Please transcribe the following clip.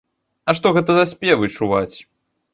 А што гэта за спевы чуваць?